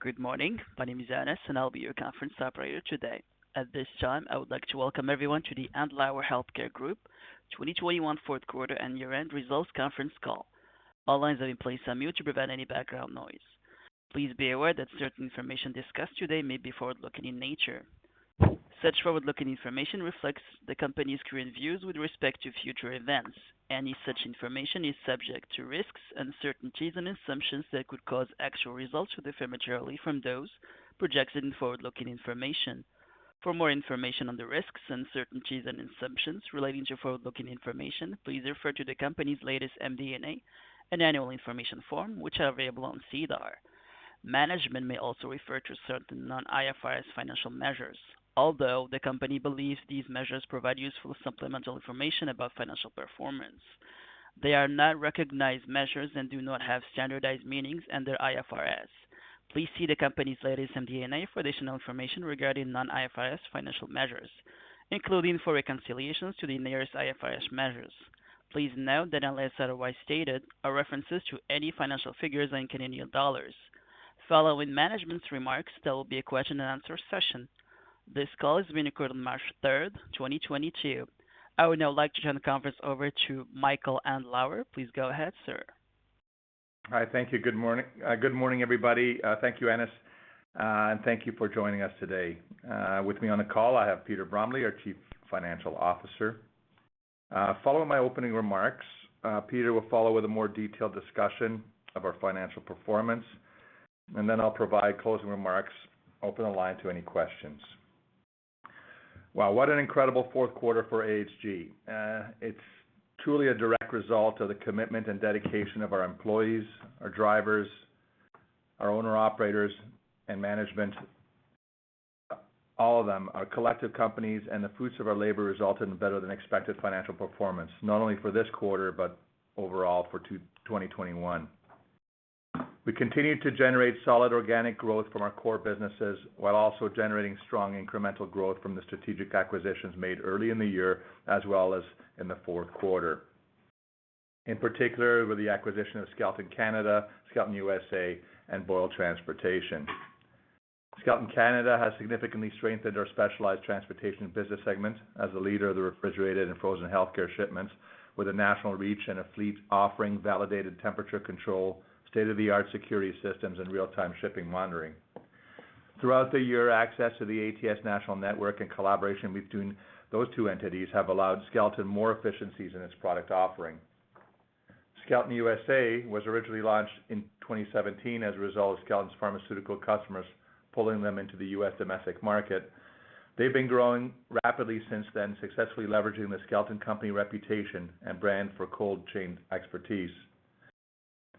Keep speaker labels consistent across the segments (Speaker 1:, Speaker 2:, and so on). Speaker 1: Good morning. My name is Anis, and I'll be your conference operator today. At this time, I would like to welcome everyone to the Andlauer Healthcare Group 2021 fourth quarter and year-end results conference call. All lines have been placed on mute to prevent any background noise. Please be aware that certain information discussed today may be forward-looking in nature. Such forward-looking information reflects the company's current views with respect to future events. Any such information is subject to risks, uncertainties, and assumptions that could cause actual results to differ materially from those projected in forward-looking information. For more information on the risks, uncertainties, and assumptions relating to forward-looking information, please refer to the company's latest MD&A and Annual Information Form, which are available on SEDAR. Management may also refer to certain non-IFRS financial measures. Although the Company believes these measures provide useful supplemental information about financial performance, they are not recognized measures and do not have standardized meanings under IFRS. Please see the Company's latest MD&A for additional information regarding non-IFRS financial measures, including for reconciliations to the nearest IFRS measures. Please note that unless otherwise stated, all references to any financial figures are in Canadian dollars. Following management's remarks, there will be a question-and-answer session. This call is being recorded on March 3, 2022. I would now like to turn the conference over to Michael Andlauer. Please go ahead, sir.
Speaker 2: All right. Thank you. Good morning. Good morning, everybody. Thank you, Anis. And thank you for joining us today. With me on the call, I have Peter Bromley, our Chief Financial Officer. Following my opening remarks, Peter will follow with a more detailed discussion of our financial performance, and then I'll provide closing remarks, open the line to any questions. Wow, what an incredible fourth quarter for AHG. It's truly a direct result of the commitment and dedication of our employees, our drivers, our owner-operators and management, all of them. Our collective companies and the fruits of our labor resulted in a better than expected financial performance, not only for this quarter, but overall for 2021. We continued to generate solid organic growth from our core businesses while also generating strong incremental growth from the strategic acquisitions made early in the year as well as in the fourth quarter, in particular with the acquisition of Skelton Canada, Skelton USA, and Boyle Transportation. Skelton Canada has significantly strengthened our Specialized Transportation business segment as a leader of the refrigerated and frozen healthcare shipments with a national reach and a fleet offering validated temperature control, state-of-the-art security systems, and real-time shipping monitoring. Throughout the year, access to the ATS national network and collaboration between those two entities have allowed Skelton more efficiencies in its product offering. Skelton USA was originally launched in 2017 as a result of Skelton's pharmaceutical customers pulling them into the U.S. domestic market. They've been growing rapidly since then, successfully leveraging the Skelton company reputation and brand for cold chain expertise.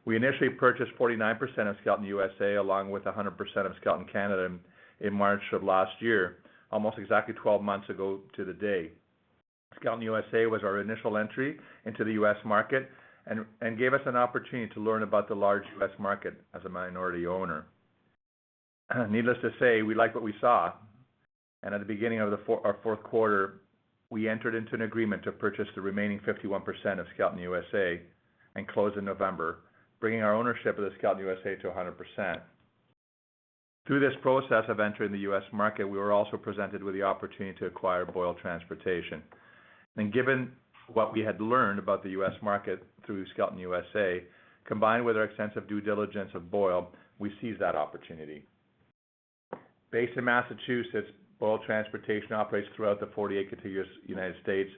Speaker 2: We initially purchased 49% of Skelton USA along with 100% of Skelton Canada in March of last year, almost exactly 12 months ago to today. Skelton USA was our initial entry into the U.S. market and gave us an opportunity to learn about the large U.S. market as a minority owner. Needless to say, we liked what we saw. At the beginning of our fourth quarter, we entered into an agreement to purchase the remaining 51% of Skelton USA and close in November, bringing our ownership of Skelton USA to 100%. Through this process of entering the U.S. market, we were also presented with the opportunity to acquire Boyle Transportation. Given what we had learned about the U.S. market through Skelton USA, combined with our extensive due diligence of Boyle, we seized that opportunity. Based in Massachusetts, Boyle Transportation operates throughout the 48 contiguous United States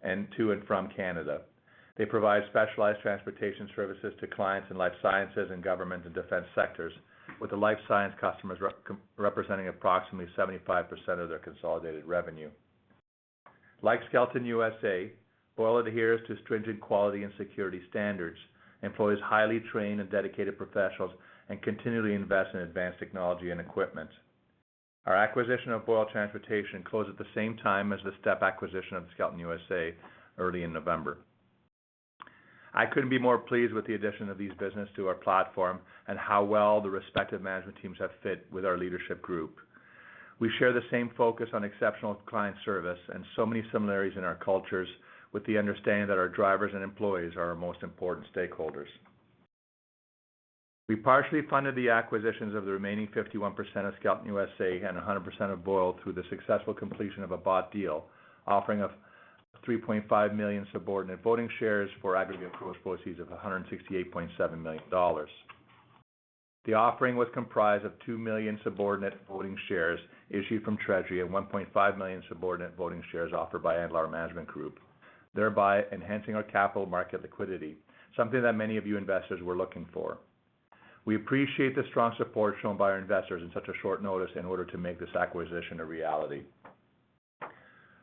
Speaker 2: and to and from Canada. They provide Specialized Transportation services to clients in life sciences and government and defense sectors, with the life sciences customers representing approximately 75% of their consolidated revenue. Like Skelton USA, Boyle adheres to stringent quality and security standards, employs highly trained and dedicated professionals, and continually invest in advanced technology and equipment. Our acquisition of Boyle Transportation closed at the same time as the step acquisition of Skelton USA early in November. I couldn't be more pleased with the addition of these business to our platform and how well the respective management teams have fit with our leadership group. We share the same focus on exceptional client service and so many similarities in our cultures with the understanding that our drivers and employees are our most important stakeholders. We partially funded the acquisitions of the remaining 51% of Skelton USA and 100% of Boyle through the successful completion of a bought deal offering of 3.5 million subordinate voting shares for aggregate gross proceeds of 168.7 million dollars. The offering was comprised of 2 million subordinate voting shares issued from treasury and 1.5 million subordinate voting shares offered by Andlauer Management Group, thereby enhancing our capital market liquidity, something that many of you investors were looking for. We appreciate the strong support shown by our investors in such a short notice in order to make this acquisition a reality.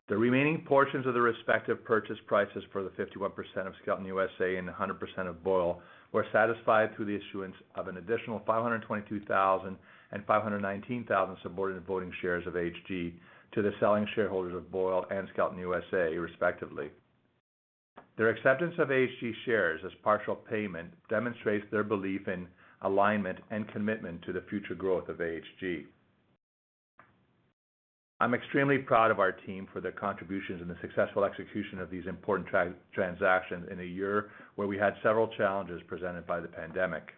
Speaker 2: The remaining portions of the respective purchase prices for the 51% of Skelton USA and 100% of Boyle were satisfied through the issuance of an additional 522,000 and 519,000 subordinate voting shares of AHG to the selling shareholders of Boyle and Skelton USA, respectively. Their acceptance of AHG shares as partial payment demonstrates their belief in alignment and commitment to the future growth of AHG. I'm extremely proud of our team for their contributions and the successful execution of these important transactions in a year where we had several challenges presented by the pandemic.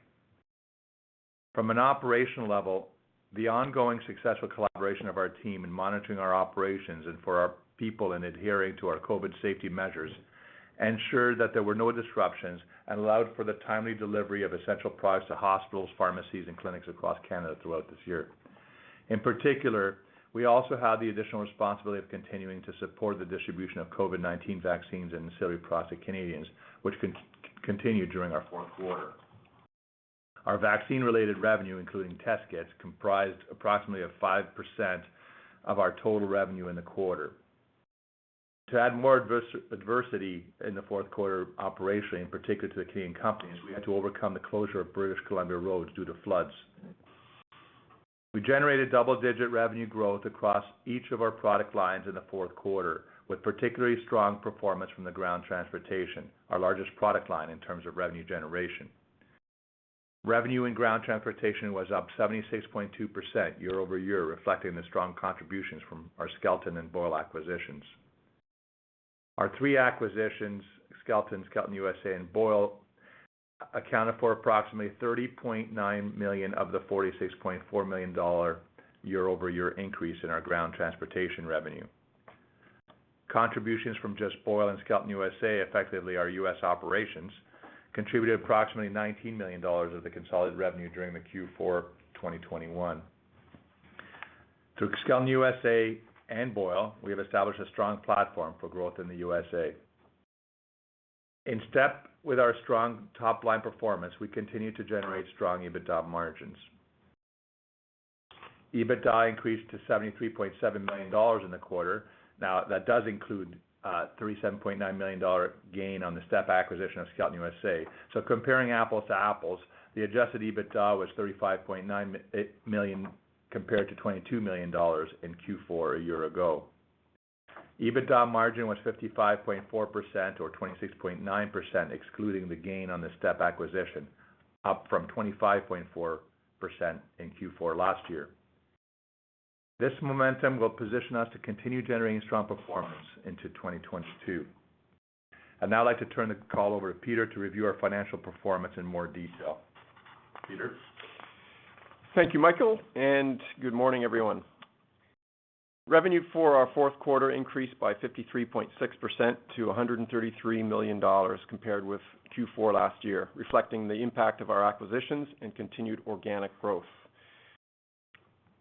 Speaker 2: From an operational level, the ongoing successful collaboration of our team in monitoring our operations and for our people in adhering to our COVID safety measures ensured that there were no disruptions and allowed for the timely delivery of essential products to hospitals, pharmacies, and clinics across Canada throughout this year. In particular, we also had the additional responsibility of continuing to support the distribution of COVID-19 vaccines and necessary products to Canadians, which continued during our fourth quarter. Our vaccine-related revenue, including test kits, comprised approximately of 5% of our total revenue in the quarter. To add more adversity in the fourth quarter operation, in particular to the Canadian companies, we had to overcome the closure of British Columbia roads due to floods. We generated double-digit revenue growth across each of our product lines in the fourth quarter, with particularly strong performance from the ground transportation, our largest product line in terms of revenue generation. Revenue in ground transportation was up 76.2% year-over-year, reflecting the strong contributions from our Skelton and Boyle acquisitions. Our three acquisitions, Skelton USA, and Boyle, accounted for approximately 30.9 million of the 46.4 million dollar year-over-year increase in our ground transportation revenue. Contributions from just Boyle and Skelton USA, effectively our U.S. operations, contributed approximately CAD 19 million of the consolidated revenue during the Q4 2021. Through Skelton USA and Boyle, we have established a strong platform for growth in the U.S. In step with our strong top-line performance, we continue to generate strong EBITDA margins. EBITDA increased to 73.7 million dollars in the quarter. Now, that does include 37.9 million-dollar gain on the step acquisition of Skelton USA. Comparing apples to apples, the adjusted EBITDA was 35.9 million compared to 22 million dollars in Q4 a year ago. EBITDA margin was 55.4% or 26.9% excluding the gain on the step acquisition, up from 25.4% in Q4 last year. This momentum will position us to continue generating strong performance into 2022. I'd now like to turn the call over to Peter to review our financial performance in more detail. Peter.
Speaker 3: Thank you, Michael, and good morning, everyone. Revenue for our fourth quarter increased by 53.6% to 133 million dollars compared with Q4 last year, reflecting the impact of our acquisitions and continued organic growth.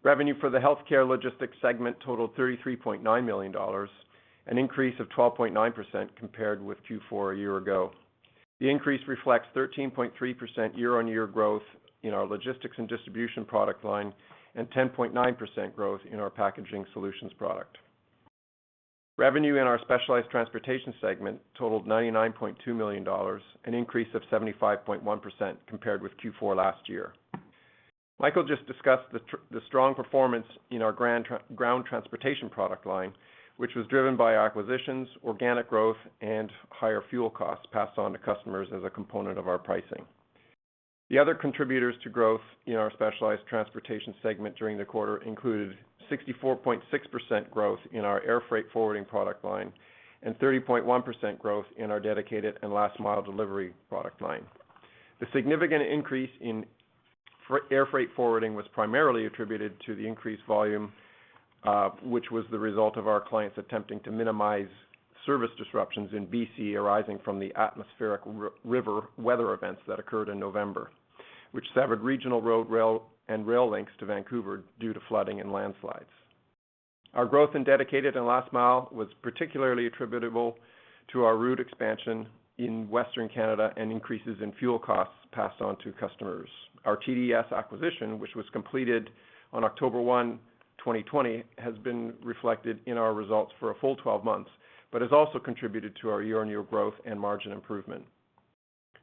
Speaker 3: Revenue for the Healthcare Logistics segment totaled 33.9 million dollars, an increase of 12.9% compared with Q4 a year ago. The increase reflects 13.3% year-on-year growth in our logistics and distribution product line and 10.9% growth in our packaging solutions product. Revenue in our Specialized Transportation segment totaled 99.2 million dollars, an increase of 75.1% compared with Q4 last year. Michael just discussed the strong performance in our ground transportation product line, which was driven by acquisitions, organic growth, and higher fuel costs passed on to customers as a component of our pricing. The other contributors to growth in our Specialized Transportation segment during the quarter included 64.6% growth in our air freight forwarding product line and 30.1% growth in our dedicated and last mile delivery product line. The significant increase in air freight forwarding was primarily attributed to the increased volume, which was the result of our clients attempting to minimize service disruptions in BC arising from the atmospheric river weather events that occurred in November, which severed regional road, rail, and links to Vancouver due to flooding and landslides. Our growth in dedicated and last mile was particularly attributable to our route expansion in Western Canada and increases in fuel costs passed on to customers. Our TDS acquisition, which was completed on October 1, 2020, has been reflected in our results for a full 12 months, but has also contributed to our year-on-year growth and margin improvement.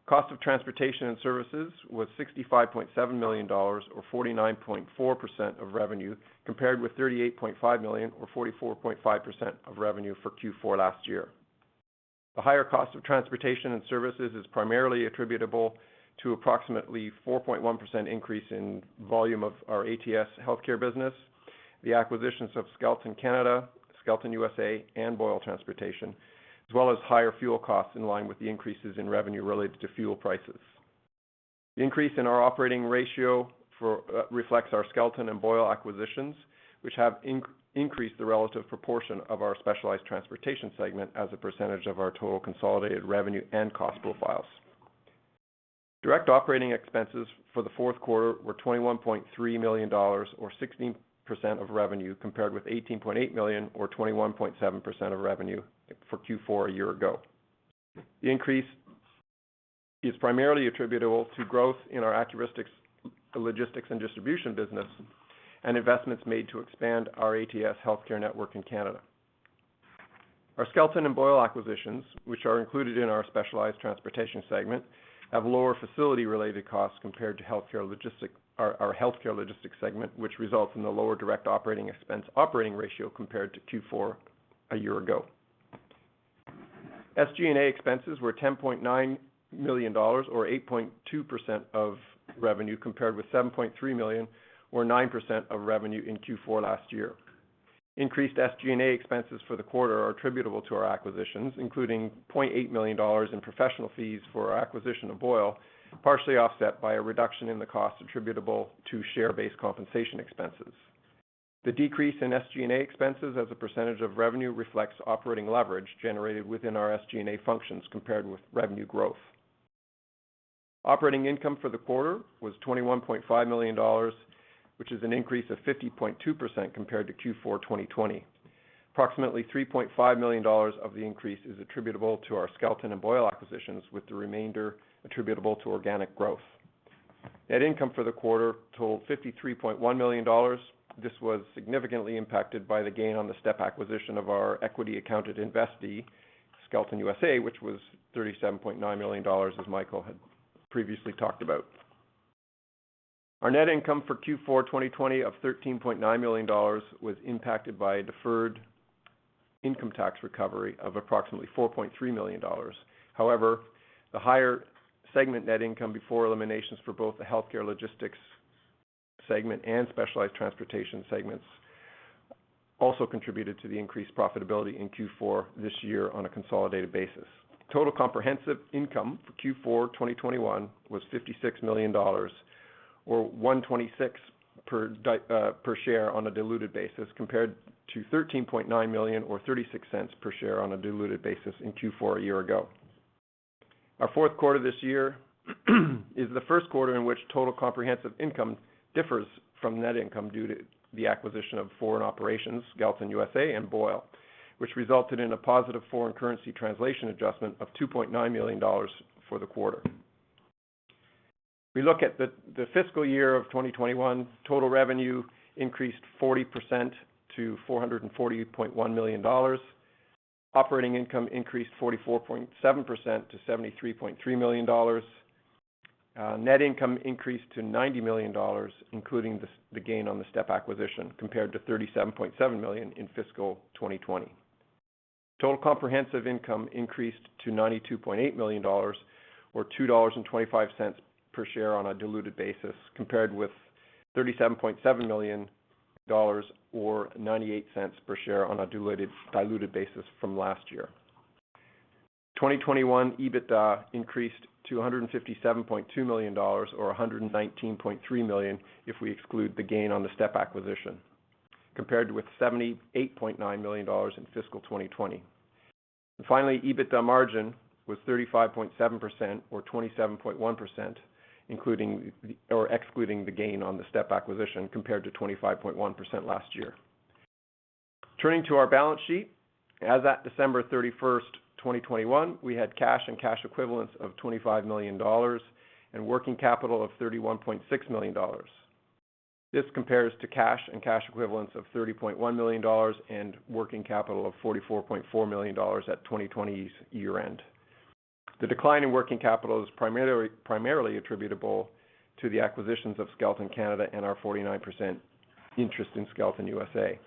Speaker 3: Cost of transportation and services was 65.7 million dollars or 49.4% of revenue, compared with 38.5 million or 44.5% of revenue for Q4 last year. The higher cost of transportation and services is primarily attributable to approximately 4.1% increase in volume of our ATS Healthcare business, the acquisitions of Skelton Canada, Skelton USA, and Boyle Transportation, as well as higher fuel costs in line with the increases in revenue related to fuel prices. The increase in our operating ratio reflects our Skelton and Boyle acquisitions, which have increased the relative proportion of our Specialized Transportation segment as a percentage of our total consolidated revenue and cost profiles. Direct operating expenses for the fourth quarter were 21.3 million dollars or 16% of revenue, compared with 18.8 million or 21.7% of revenue for Q4 a year ago. The increase is primarily attributable to growth in our Accuristix logistics and distribution business and investments made to expand our ATS Healthcare network in Canada. Our Skelton and Boyle acquisitions, which are included in our Specialized Transportation segment, have lower facility-related costs compared to our Healthcare Logistics segment, which results in the lower direct operating expense operating ratio compared to Q4 a year ago. SG&A expenses were 10.9 million dollars or 8.2% of revenue, compared with 7.3 million or 9% of revenue in Q4 last year. Increased SG&A expenses for the quarter are attributable to our acquisitions, including 0.8 million dollars in professional fees for our acquisition of Boyle, partially offset by a reduction in the cost attributable to share-based compensation expenses. The decrease in SG&A expenses as a percentage of revenue reflects operating leverage generated within our SG&A functions compared with revenue growth. Operating income for the quarter was 21.5 million dollars, which is an increase of 50.2% compared to Q4 2020. Approximately 3.5 million dollars of the increase is attributable to our Skelton and Boyle acquisitions, with the remainder attributable to organic growth. Net income for the quarter totaled 53.1 million dollars. This was significantly impacted by the gain on the step acquisition of our equity accounted investee, Skelton USA, which was 37.9 million dollars, as Michael had previously talked about. Our net income for Q4 2020 of 13.9 million dollars was impacted by a deferred income tax recovery of approximately 4.3 million dollars. However, the higher segment net income before eliminations for both the Healthcare Logistics segment and Specialized Transportation segments also contributed to the increased profitability in Q4 this year on a consolidated basis. Total comprehensive income for Q4 2021 was 56 million dollars or 1.26 per share on a diluted basis, compared to 13.9 million or 0.36 per share on a diluted basis in Q4 a year ago. Our fourth quarter this year is the first quarter in which total comprehensive income differs from net income due to the acquisition of foreign operations, Skelton USA and Boyle, which resulted in a positive foreign currency translation adjustment of 2.9 million dollars for the quarter. If we look at the fiscal year of 2021, total revenue increased 40% to 448.1 million dollars. Operating income increased 44.7% to 73.3 million dollars. Net income increased to 90 million dollars, including the gain on the step acquisition, compared to 37.7 million in fiscal 2020. Total comprehensive income increased to 92.8 million dollars or 2.25 dollars per share on a diluted basis, compared with 37.7 million dollars or 0.98 per share on diluted basis from last year. 2021 EBITDA increased to 157.2 million dollars or 119.3 million if we exclude the gain on the step acquisition, compared with 78.9 million dollars in fiscal 2020. Finally, EBITDA margin was 35.7% or 27.1% excluding the gain on the step acquisition, compared to 25.1% last year. Turning to our balance sheet. As at December 31, 2021, we had cash and cash equivalents of 25 million dollars and working capital of 31.6 million dollars. This compares to cash and cash equivalents of 30.1 million dollars and working capital of 44.4 million dollars at 2020's year-end. The decline in working capital is primarily attributable to the acquisitions of Skelton Canada and our 49% interest in Skelton USA.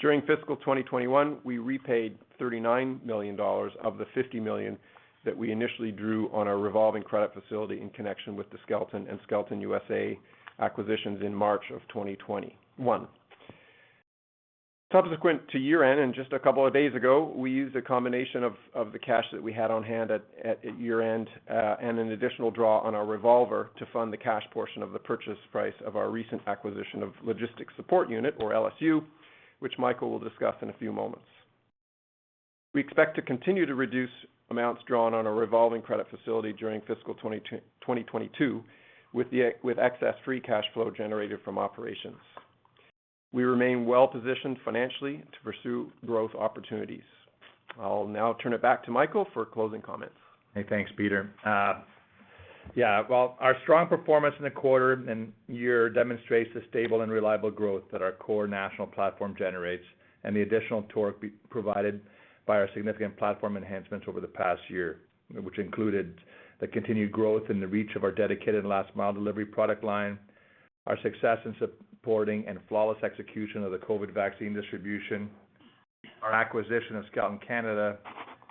Speaker 3: During fiscal 2021, we repaid 39 million dollars of the 50 million that we initially drew on our revolving credit facility in connection with the Skelton and Skelton USA acquisitions in March 2021. Subsequent to year-end and just a couple of days ago, we used a combination of the cash that we had on hand at year-end and an additional draw on our revolver to fund the cash portion of the purchase price of our recent acquisition of Logistics Support Unit, or LSU, which Michael will discuss in a few moments. We expect to continue to reduce amounts drawn on our revolving credit facility during fiscal 2022 with excess free cash flow generated from operations. We remain well positioned financially to pursue growth opportunities. I'll now turn it back to Michael for closing comments.
Speaker 2: Hey, thanks, Peter. Yeah, well, our strong performance in the quarter and year demonstrates the stable and reliable growth that our core national platform generates and the additional torque provided by our significant platform enhancements over the past year, which included the continued growth and the reach of our dedicated and last mile delivery product line, our success in supporting and flawless execution of the COVID vaccine distribution, our acquisition of Skelton Canada,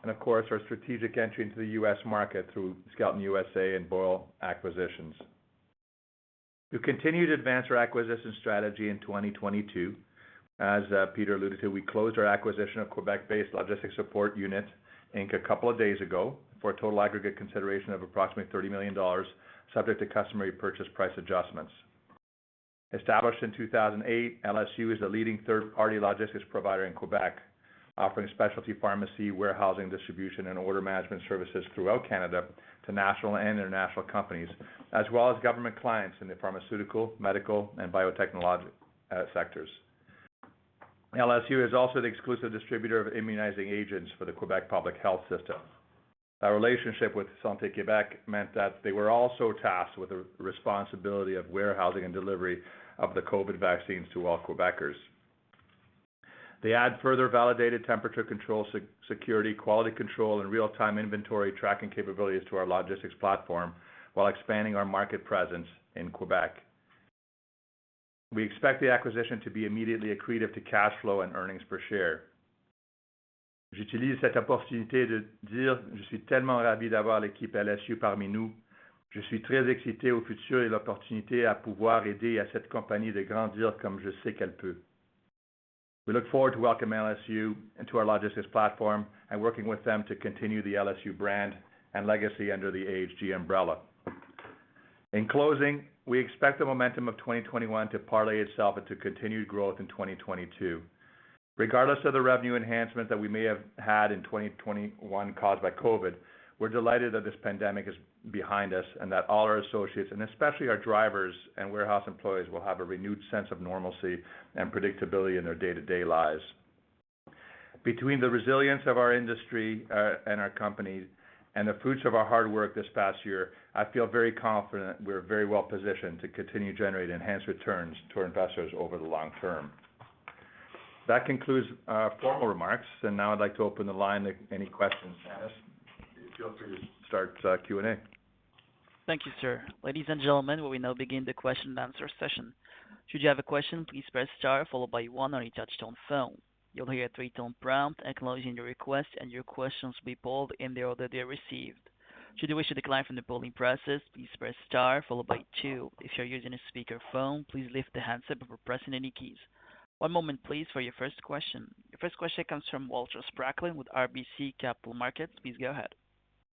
Speaker 2: and of course, our strategic entry into the U.S. market through Skelton USA and Boyle acquisitions. To continue to advance our acquisition strategy in 2022, as Peter alluded to, we closed our acquisition of Quebec-based Logistics Support Unit Inc. a couple of days ago for a total aggregate consideration of approximately 30 million dollars subject to customary purchase price adjustments. Established in 2008, LSU is a leading third-party logistics provider in Quebec, offering specialty pharmacy, warehousing, distribution, and order management services throughout Canada to national and international companies, as well as government clients in the pharmaceutical, medical, and biotechnology sectors. LSU is also the exclusive distributor of immunizing agents for the Quebec public health system. Our relationship with Santé Québec meant that they were also tasked with the responsibility of warehousing and delivery of the COVID vaccines to all Quebecers. They add further validated temperature control, security, quality control, and real-time inventory tracking capabilities to our logistics platform while expanding our market presence in Quebec. We expect the acquisition to be immediately accretive to cash flow and earnings per share. We look forward to welcome LSU into our logistics platform and working with them to continue the LSU brand and legacy under the AHG umbrella. In closing, we expect the momentum of 2021 to parlay itself into continued growth in 2022. Regardless of the revenue enhancement that we may have had in 2021 caused by COVID, we're delighted that this pandemic is behind us and that all our associates, and especially our drivers and warehouse employees, will have a renewed sense of normalcy and predictability in their day-to-day lives. Between the resilience of our industry, and our company and the fruits of our hard work this past year, I feel very confident we're very well-positioned to continue to generate enhanced returns to our investors over the long term. That concludes our formal remarks, and now I'd like to open the line to any questions. Anis? Feel free to start, Q&A.
Speaker 1: Thank you, sir. Ladies and gentlemen, we will now begin the question-and-answer session. Should you have a question, please press star followed by one on your touch-tone phone. You'll hear a three-tone prompt acknowledging your request, and your questions will be pulled in the order they are received. Should you wish to decline from the polling process, please press star followed by two. If you're using a speakerphone, please lift the handset before pressing any keys. One moment please for your first question. Your first question comes from Walter Spracklin with RBC Capital Markets. Please go ahead.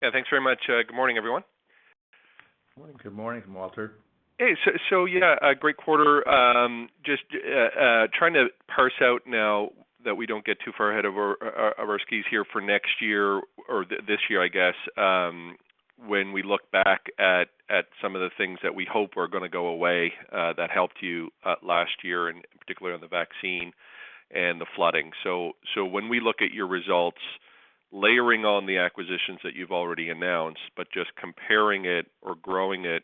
Speaker 4: Yeah, thanks very much. Good morning, everyone.
Speaker 3: Good morning.
Speaker 2: Good morning, Walter.
Speaker 4: Hey, yeah, a great quarter. Just trying to parse out now that we don't get too far ahead of our skis here for next year or this year, I guess, when we look back at some of the things that we hope are gonna go away that helped you last year, and particularly on the vaccine and the flooding. When we look at your results, layering on the acquisitions that you've already announced, but just comparing it or growing it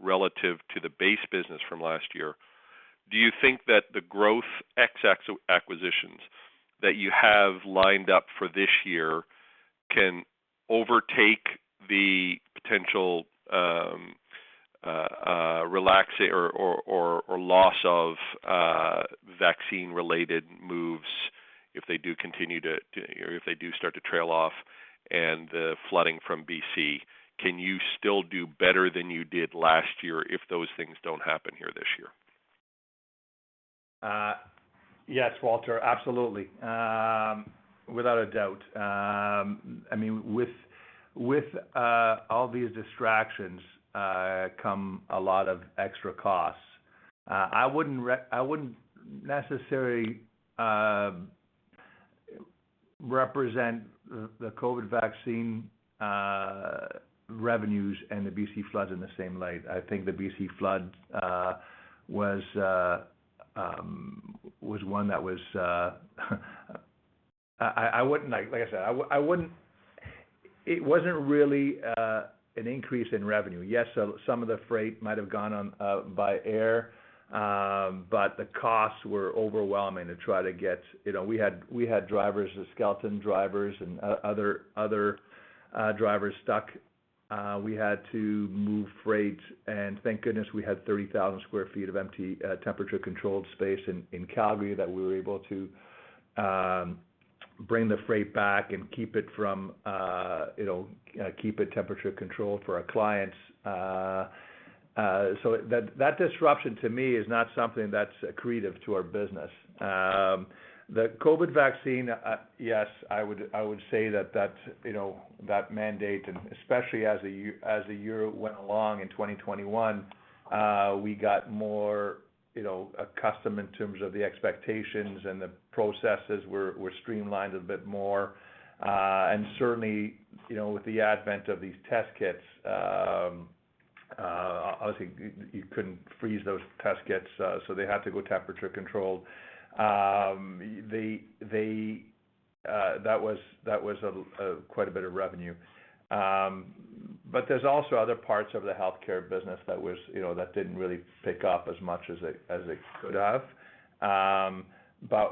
Speaker 4: relative to the base business from last year, do you think that the growth ex acquisitions that you have lined up for this year can overtake the potential relaxation or loss of vaccine-related moves if they do continue to? If they do start to trail off and the flooding from BC, can you still do better than you did last year if those things don't happen here this year?
Speaker 2: Yes, Walter, absolutely. Without a doubt. I mean, with all these distractions come a lot of extra costs. I wouldn't necessarily represent the COVID vaccine revenues and the BC floods in the same light. I think the BC flood was one that I wouldn't like. Like I said, I wouldn't. It wasn't really an increase in revenue. Yes, some of the freight might have gone on by air, but the costs were overwhelming to try to get. You know, we had drivers, the Skelton drivers and other drivers stuck. We had to move freight, and thank goodness we had 30,000 sq ft of empty temperature-controlled space in Calgary that we were able to bring the freight back and keep it temperature-controlled for our clients. That disruption to me is not something that's accretive to our business. The COVID vaccine, yes, I would say that's, you know, that mandate and especially as the year went along in 2021, we got more, you know, accustomed in terms of the expectations, and the processes were streamlined a bit more. Certainly, you know, with the advent of these test kits, obviously you couldn't freeze those test kits, so they had to go temperature-controlled. That was quite a bit of revenue. There's also other parts of the healthcare business that was, you know, that didn't really pick up as much as it could have.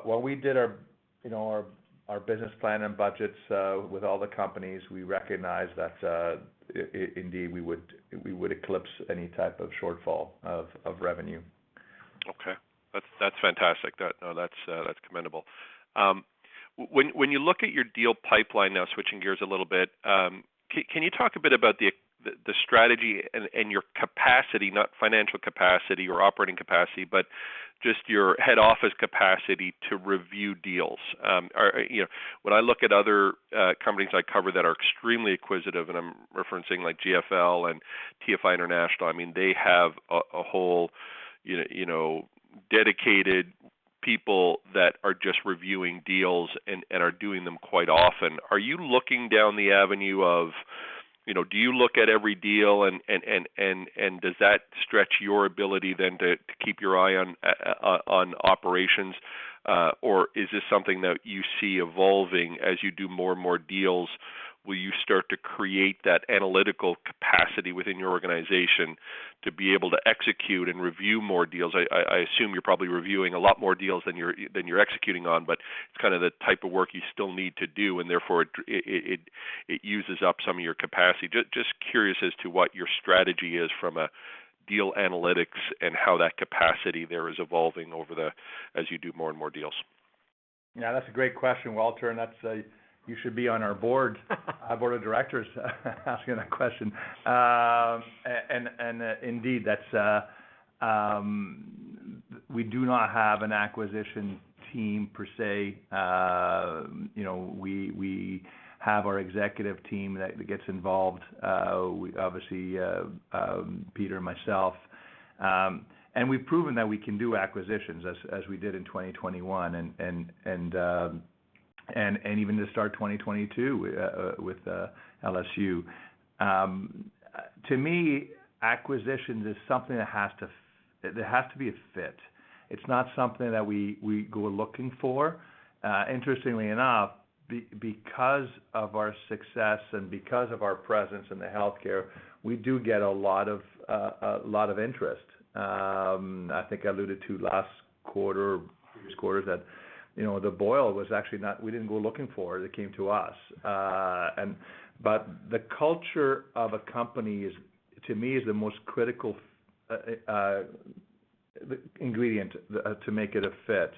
Speaker 2: When we did our, you know, our business plan and budgets with all the companies, we recognized that indeed we would eclipse any type of shortfall of revenue.
Speaker 4: Okay. That's fantastic. No, that's commendable. When you look at your deal pipeline now, switching gears a little bit, can you talk a bit about the strategy and your capacity, not financial capacity or operating capacity, but just your head office capacity to review deals? Or, you know, when I look at other companies I cover that are extremely acquisitive, and I'm referencing like GFL and TFI International, I mean, they have a whole, you know, dedicated people that are just reviewing deals and are doing them quite often. Are you looking down the avenue of, you know, do you look at every deal and does that stretch your ability then to keep your eye on operations? Is this something that you see evolving as you do more and more deals? Will you start to create that analytical capacity within your organization to be able to execute and review more deals? I assume you're probably reviewing a lot more deals than you're executing on, but it's kind of the type of work you still need to do, and therefore it uses up some of your capacity. Just curious as to what your strategy is from a deal analytics and how that capacity there is evolving as you do more and more deals.
Speaker 2: Yeah, that's a great question, Walter. You should be on our Board of Directors asking that question. Indeed, we do not have an acquisition team per se. You know, we have our executive team that gets involved, obviously, Peter and myself. We've proven that we can do acquisitions as we did in 2021 and even to start 2022 with LSU. To me, acquisitions is something that there has to be a fit. It's not something that we go looking for. Interestingly enough, because of our success and because of our presence in the healthcare, we do get a lot of interest. I think I alluded to last quarter or previous quarters that, you know, the Boyle was actually not. We didn't go looking for, it came to us. But the culture of a company is, to me, the most critical ingredient to make it a fit.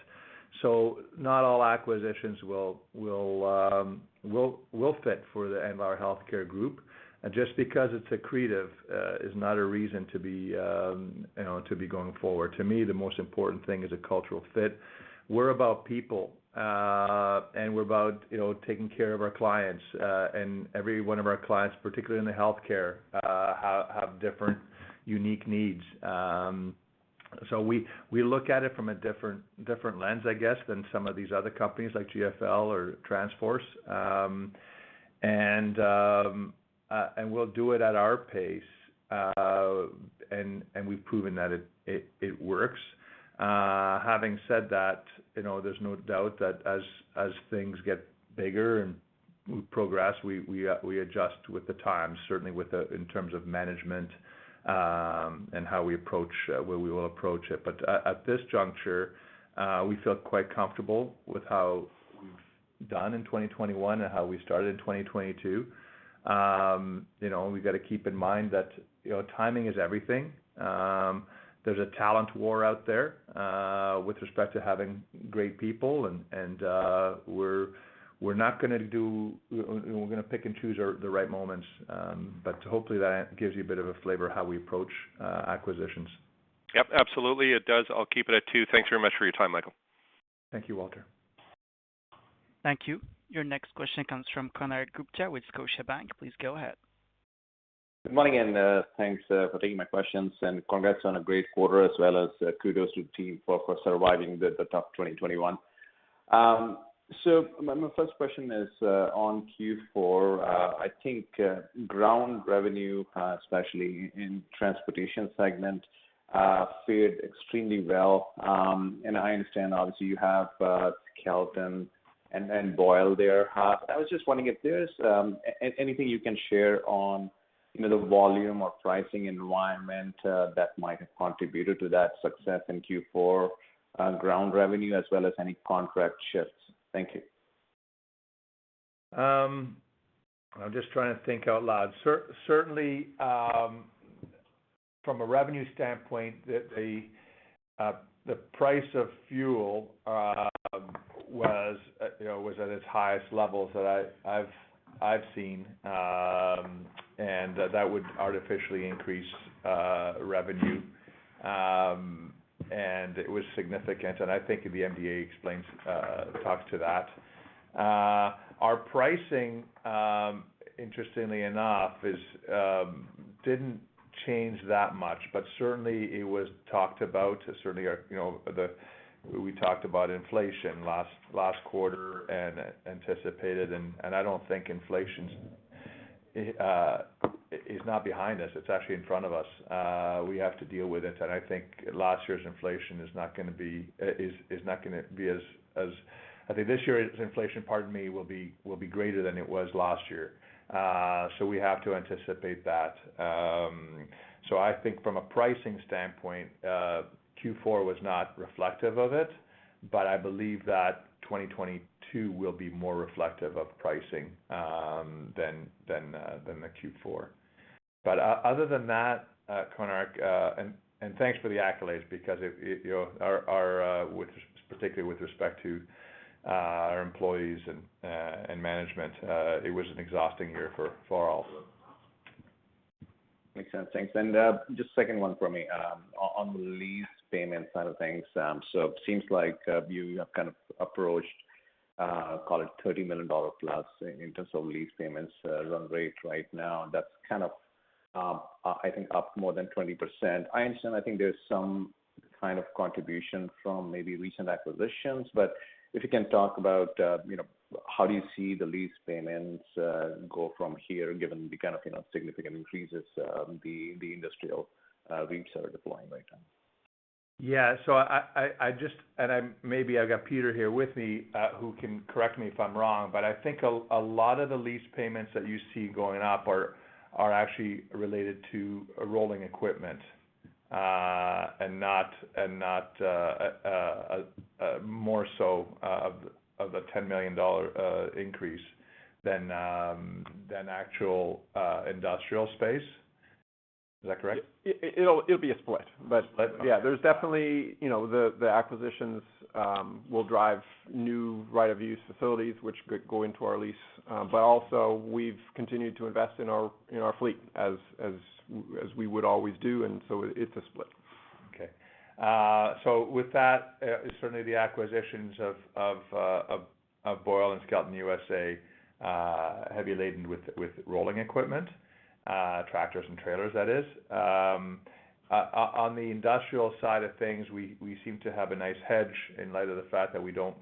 Speaker 2: Not all acquisitions will fit for the Andlauer Healthcare Group. Just because it's accretive is not a reason, you know, to be going forward. To me, the most important thing is a cultural fit. We're about people, and we're about, you know, taking care of our clients, and every one of our clients, particularly in the healthcare, have different unique needs. We look at it from a different lens, I guess, than some of these other companies like GFL or TransForce. We'll do it at our pace, and we've proven that it works. Having said that, you know, there's no doubt that as things get bigger and we progress, we adjust with the times, certainly in terms of management and how we approach it. At this juncture, we feel quite comfortable with how we've done in 2021 and how we started in 2022. You know, we've got to keep in mind that, you know, timing is everything. There's a talent war out there with respect to having great people, and we're gonna pick and choose the right moments, hopefully that gives you a bit of a flavor how we approach acquisitions.
Speaker 4: Yep, absolutely it does. I'll keep it at two. Thanks very much for your time, Michael.
Speaker 2: Thank you, Walter.
Speaker 1: Thank you. Your next question comes from Konark Gupta with Scotiabank. Please go ahead.
Speaker 5: Good morning, thanks for taking my questions, and congrats on a great quarter as well as kudos to the team for surviving the tough 2021. My first question is on Q4. I think ground revenue, especially in Transportation segment, fared extremely well. I understand obviously you have Skelton and Boyle there. I was just wondering if there's anything you can share on, you know, the volume or pricing environment that might have contributed to that success in Q4 on ground revenue as well as any contract shifts. Thank you.
Speaker 2: I'm just trying to think out loud. Certainly, from a revenue standpoint, the price of fuel was, you know, at its highest levels that I've seen, and that would artificially increase revenue. It was significant. I think the MD&A explains, talks to that. Our pricing, interestingly enough, didn't change that much, but certainly it was talked about. Certainly, you know, we talked about inflation last quarter and anticipated, and I don't think inflation's behind us. It's actually in front of us. We have to deal with it. I think last year's inflation is not gonna be as this year's inflation, pardon me, will be greater than it was last year. We have to anticipate that. I think from a pricing standpoint, Q4 was not reflective of it, but I believe that 2022 will be more reflective of pricing than the Q4. Other than that, Konark, and thanks for the accolades because, you know, particularly with respect to our employees and management, it was an exhausting year for all.
Speaker 5: Makes sense. Thanks. Just second one for me on the lease payment side of things. It seems like you have kind of approached call it 30 million dollar+ in terms of lease payments run rate right now. That's kind of I think up more than 20%. I understand. I think there's some kind of contribution from maybe recent acquisitions. If you can talk about you know how do you see the lease payments go from here, given the kind of you know significant increases the industrial rates are doing right now.
Speaker 2: Maybe I've got Peter here with me, who can correct me if I'm wrong, but I think a lot of the lease payments that you see going up are actually related to rolling equipment and not more so of a 10 million dollar increase than actual industrial space. Is that correct?
Speaker 3: It'll be a split.
Speaker 2: A split.
Speaker 3: Yeah, there's definitely, you know, the acquisitions will drive new right of use facilities which could go into our lease. We've continued to invest in our fleet as we would always do. It's a split.
Speaker 2: Okay. With that, certainly the acquisitions of Boyle and Skelton USA, heavy laden with rolling equipment, tractors and trailers. On the industrial side of things, we seem to have a nice hedge in light of the fact that we don't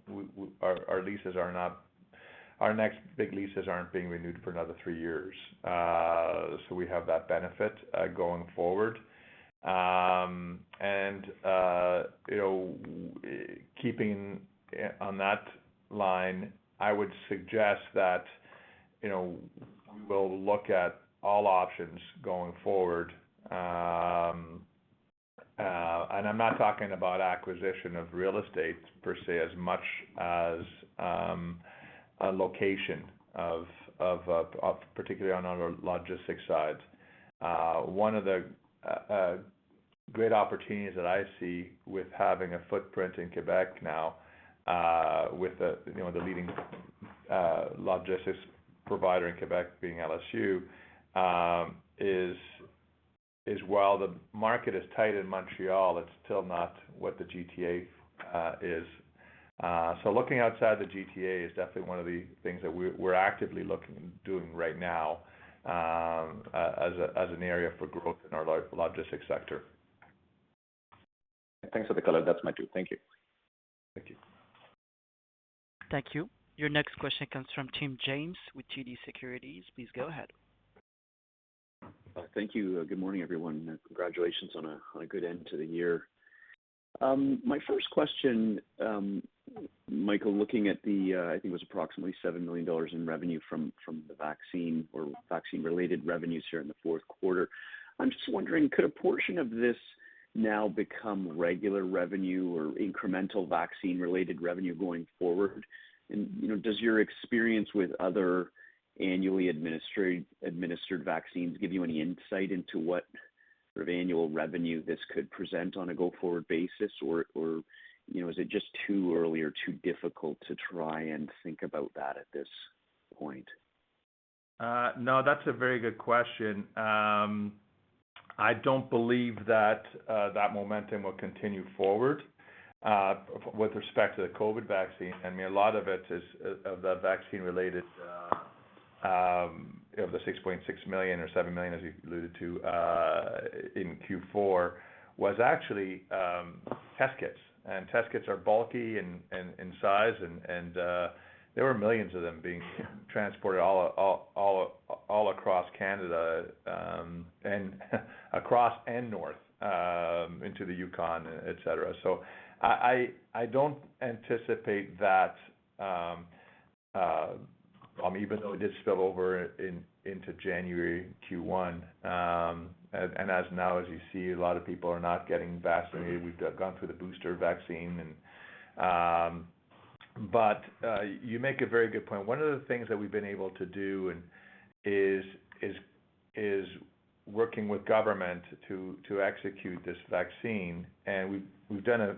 Speaker 2: our next big leases aren't being renewed for another three years. So we have that benefit going forward. You know, keeping on that line, I would suggest that, you know, we will look at all options going forward. I'm not talking about acquisition of real estate per se, as much as a location of, particularly on our logistics side. One of the great opportunities that I see with having a footprint in Quebec now, with you know the leading logistics provider in Quebec being LSU, is while the market is tight in Montreal, it's still not what the GTA is. Looking outside the GTA is definitely one of the things that we're actively looking and doing right now, as an area for growth in our logistics sector.
Speaker 5: Thanks for the color. That's my two. Thank you.
Speaker 2: Thank you.
Speaker 1: Thank you. Your next question comes from Tim James with TD Securities. Please go ahead.
Speaker 6: Thank you. Good morning, everyone, and congratulations on a good end to the year. My first question, Michael, looking at the, I think it was approximately 7 million dollars in revenue from the vaccine or vaccine-related revenues here in the fourth quarter, I'm just wondering, could a portion of this now become regular revenue or incremental vaccine-related revenue going forward? You know, does your experience with other annually administered vaccines give you any insight into what sort of annual revenue this could present on a go-forward basis? Or, you know, is it just too early or too difficult to try and think about that at this point?
Speaker 2: No, that's a very good question. I don't believe that momentum will continue forward with respect to the COVID vaccine. I mean, a lot of it is vaccine related. Of the 6.6 million or 7 million, as you alluded to, in Q4, was actually test kits. Test kits are bulky in size, and there were millions of them being transported all across Canada and the north, into the Yukon, et cetera. I don't anticipate that even though it did spill over into January Q1, and now, as you see, a lot of people are not getting vaccinated. We've gone through the booster vaccine and you make a very good point. One of the things that we've been able to do is working with government to execute this vaccine, and we've done a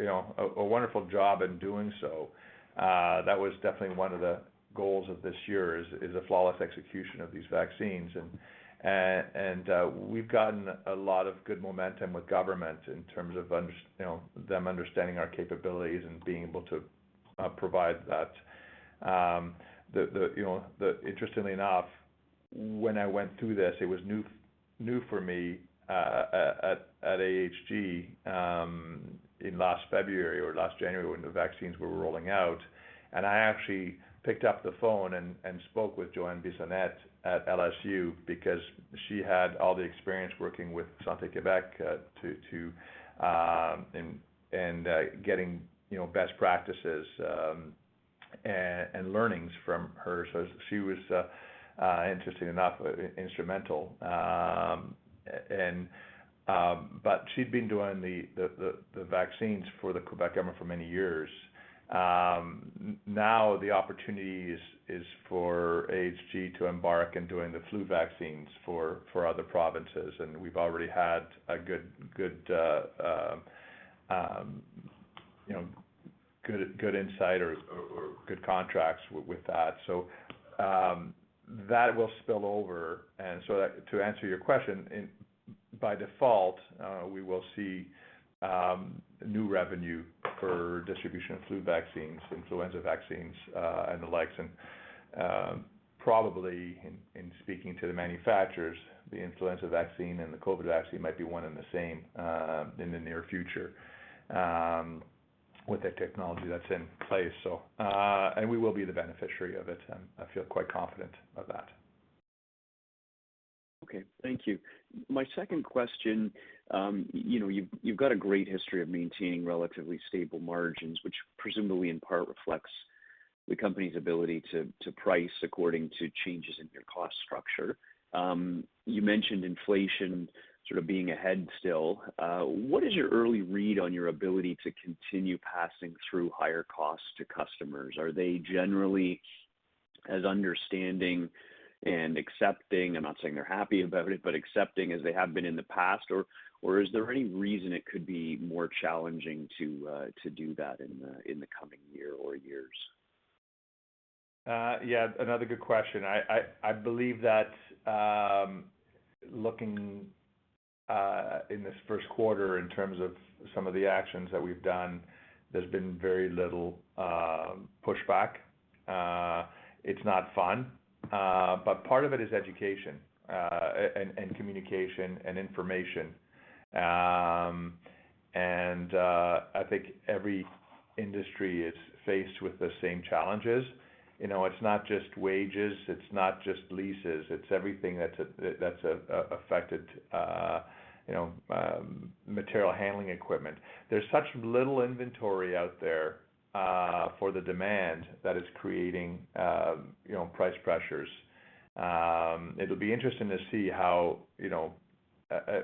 Speaker 2: you know a wonderful job in doing so. That was definitely one of the goals of this year is a flawless execution of these vaccines. We've gotten a lot of good momentum with government in terms of you know them understanding our capabilities and being able to provide that. You know, interestingly enough, when I went through this, it was new for me at AHG in last February or last January when the vaccines were rolling out. I actually picked up the phone and spoke with Johanne Bissonnette at LSU because she had all the experience working with Santé Québec, getting you know best practices and learnings from her. Interestingly enough, she was instrumental. But she'd been doing the vaccines for the Québec government for many years. Now the opportunity is for AHG to embark in doing the flu vaccines for other provinces, and we've already had a good insight or good contracts with that. That will spill over. To answer your question, by default, we will see new revenue for distribution of flu vaccines, influenza vaccines and the likes. Probably in speaking to the manufacturers, the influenza vaccine and the COVID vaccine might be one and the same, in the near future, with the technology that's in place. We will be the beneficiary of it, and I feel quite confident of that.
Speaker 6: Okay. Thank you. My second question, you know, you've got a great history of maintaining relatively stable margins, which presumably in part reflects the company's ability to price according to changes in your cost structure. You mentioned inflation sort of being ahead still. What is your early read on your ability to continue passing through higher costs to customers? Are they generally as understanding and accepting? I'm not saying they're happy about it, but accepting as they have been in the past, or is there any reason it could be more challenging to do that in the coming year or years?
Speaker 2: Yeah, another good question. I believe that looking in this first quarter in terms of some of the actions that we've done, there's been very little pushback. It's not fun, but part of it is education and communication and information. I think every industry is faced with the same challenges. You know, it's not just wages, it's not just leases, it's everything that's affected, you know, material handling equipment. There's such little inventory out there for the demand that is creating, you know, price pressures. It'll be interesting to see how, you know,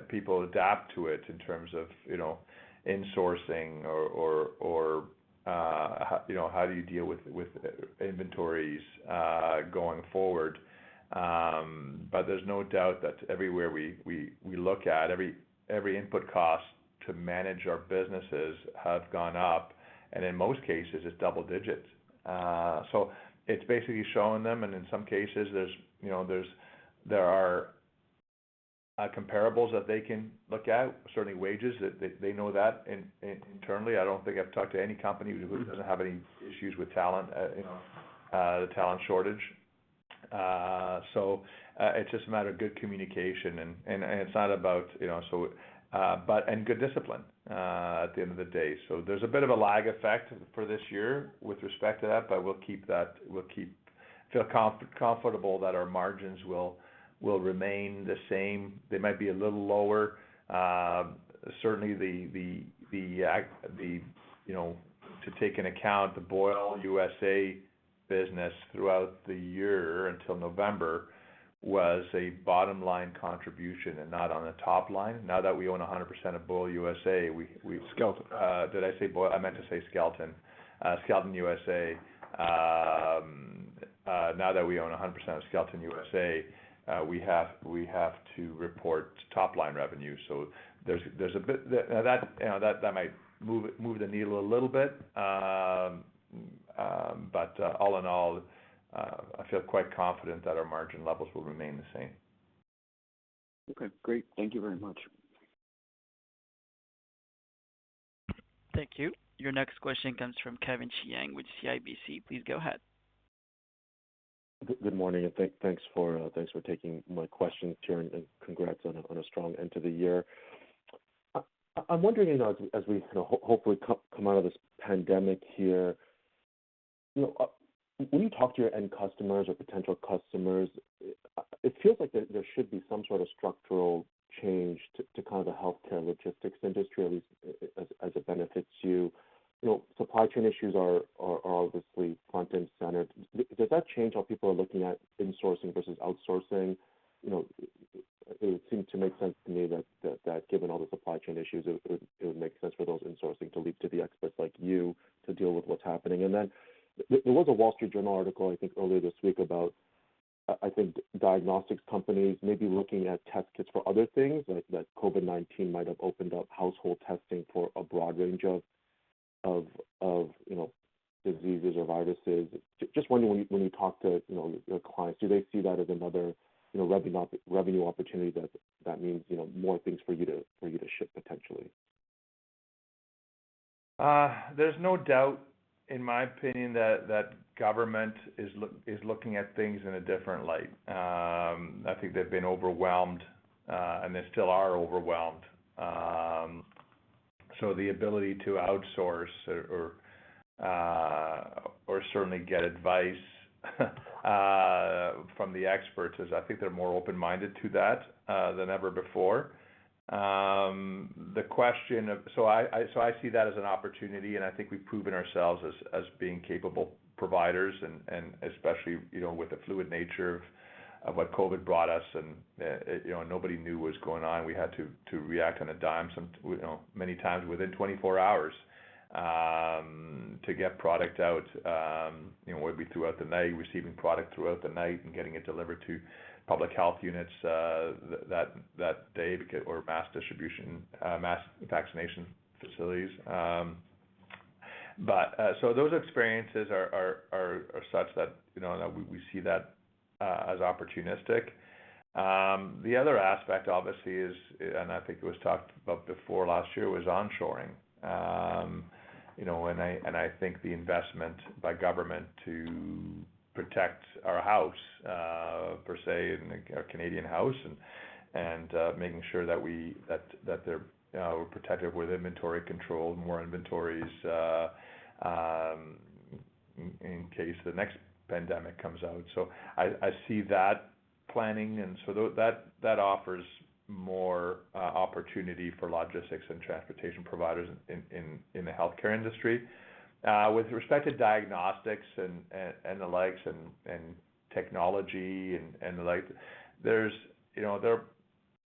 Speaker 2: people adapt to it in terms of, you know, insourcing or, you know, how do you deal with inventories going forward. There's no doubt that everywhere we look at, every input cost to manage our businesses have gone up, and in most cases it's double digits. It's basically showing them and in some cases there are comparables that they can look at, certainly wages that they know internally. I don't think I've talked to any company who doesn't have any issues with talent, you know, the talent shortage. It's just a matter of good communication and good discipline at the end of the day. There's a bit of a lag effect for this year with respect to that, but we feel comfortable that our margins will remain the same. They might be a little lower. Certainly the acquisition, you know, to take into account the Boyle USA business throughout the year until November was a bottom line contribution and not on the top line. Now that we own 100% of Boyle USA, we, Skelton. Did I say Boyle? I meant to say Skelton. Skelton USA. Now that we own 100% of Skelton USA, we have to report top line revenue. So there's a bit that you know that might move the needle a little bit. All in all, I feel quite confident that our margin levels will remain the same.
Speaker 6: Okay, great. Thank you very much.
Speaker 1: Thank you. Your next question comes from Kevin Chiang with CIBC. Please go ahead.
Speaker 7: Good morning, thanks for taking my question, Tiren, and congrats on a strong end to the year. I'm wondering, you know, as we kind of hopefully come out of this pandemic here, you know, when you talk to your end customers or potential customers, it feels like there should be some sort of structural change to kind of the Healthcare Logistics industry, at least as it benefits you. You know, supply chain issues are obviously front and center. Does that change how people are looking at insourcing versus outsourcing? You know, it would seem to make sense to me that given all the supply chain issues, it would make sense for those insourcing to leave to the experts like you to deal with what's happening. Then there was a Wall Street Journal article, I think, earlier this week about, I think diagnostics companies may be looking at test kits for other things, like that COVID-19 might have opened up household testing for a broad range of, you know, diseases or viruses. Just wondering when you talk to, you know, your clients, do they see that as another, you know, revenue opportunity that means, you know, more things for you to ship potentially?
Speaker 2: There's no doubt in my opinion that government is looking at things in a different light. I think they've been overwhelmed, and they still are overwhelmed. The ability to outsource or certainly get advice from the experts is, I think, they're more open-minded to that than ever before. I see that as an opportunity, and I think we've proven ourselves as being capable providers, and especially, you know, with the fluid nature of what COVID brought us and, you know, nobody knew what's going on. We had to react on a dime, you know, many times within 24 hours to get product out, you know. It would be throughout the night, receiving product throughout the night and getting it delivered to public health units that day or mass distribution, mass vaccination facilities. Those experiences are such that, you know, that we see that as opportunistic. The other aspect obviously is, and I think it was talked about before last year, was onshoring. You know, and I think the investment by government to protect our house, per se, our Canadian house and making sure that we, that we're protected with inventory control and more inventories in case the next pandemic comes out. I see that planning that offers more opportunity for logistics and transportation providers in the healthcare industry. With respect to diagnostics and the like, and technology and the like, there's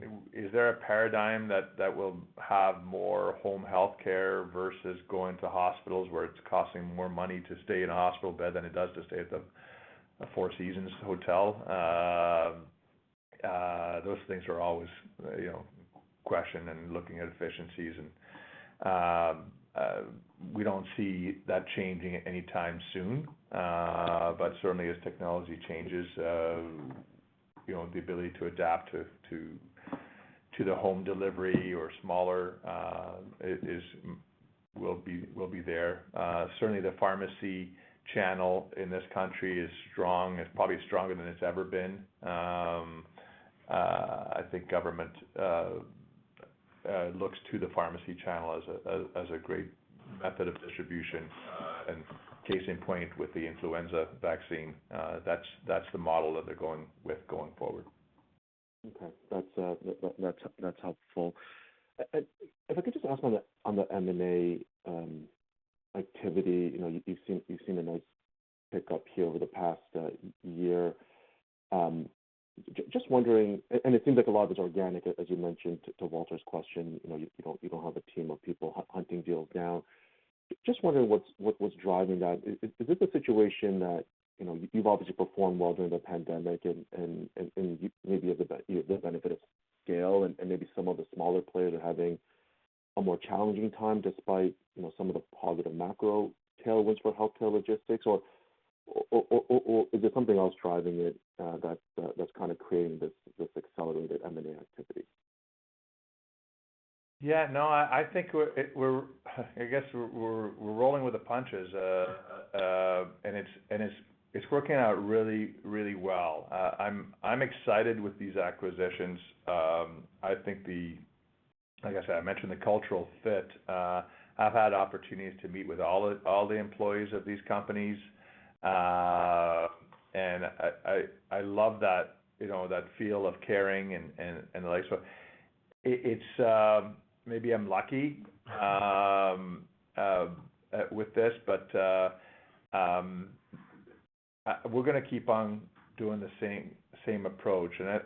Speaker 2: a paradigm that will have more home healthcare versus going to hospitals, where it's costing more money to stay in a hospital bed than it does to stay at the Four Seasons Hotel. Those things are always questioned and looking at efficiencies. We don't see that changing anytime soon. But certainly as technology changes, the ability to adapt to the home delivery or smaller will be there. Certainly the pharmacy channel in this country is strong. It's probably stronger than it's ever been. I think government looks to the pharmacy channel as a great method of distribution. Case in point, with the influenza vaccine, that's the model that they're going with going forward.
Speaker 7: Okay. That's helpful. If I could just ask on the M&A activity. You know, you've seen a nice pickup here over the past year. Just wondering. It seems like a lot of it's organic, as you mentioned to Walter's question. You know, you don't have a team of people hunting deals down. Just wondering what's driving that. Is this a situation that, you know, you've obviously performed well during the pandemic and maybe you have the benefit of scale and maybe some of the smaller players are having a more challenging time despite, you know, some of the positive macro tailwinds for Healthcare Logistics? Is there something else driving it, that that's kind of creating this accelerated M&A activity?
Speaker 2: Yeah, no, I think we're rolling with the punches. I guess we're rolling with the punches, and it's working out really well. I'm excited with these acquisitions. Like I said, I mentioned the cultural fit. I've had opportunities to meet with all the employees of these companies, and I love that, you know, that feel of caring and the like. So it's maybe I'm lucky with this, but we're gonna keep on doing the same approach. There's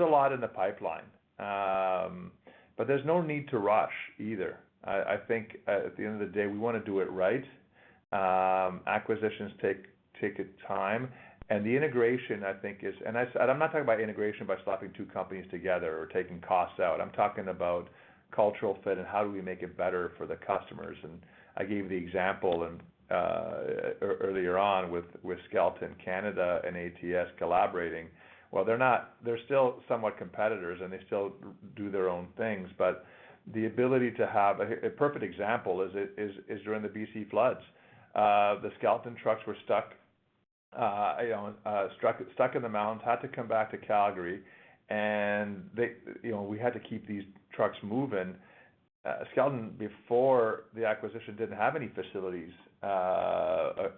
Speaker 2: a lot in the pipeline, but there's no need to rush either. I think at the end of the day we wanna do it right. Acquisitions take time, and the integration, I think is. I'm not talking about integration by slapping two companies together or taking costs out. I'm talking about cultural fit and how do we make it better for the customers. I gave the example earlier on with Skelton Canada and ATS collaborating. Well, they're still somewhat competitors, and they still do their own things. The ability to have a perfect example is during the BC floods. The Skelton trucks were stuck in the mountains, had to come back to Calgary, and we had to keep these trucks moving. Skelton, before the acquisition, didn't have any facilities